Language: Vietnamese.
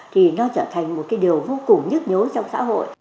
thì nó trở thành một cái điều vô cùng nhức nhối trong xã hội